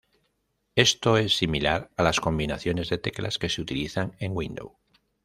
Esto es similar a la combinación de teclas que se utilizan en Windows.